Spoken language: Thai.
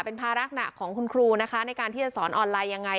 เป็นภาระหนักของคุณครูนะคะในการที่จะสอนออนไลน์ยังไง